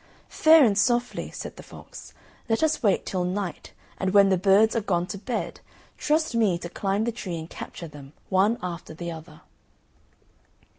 "Fair and softly," said the fox; "let us wait till night, and when the birds are gone to bed, trust me to climb the tree and capture them, one after the other."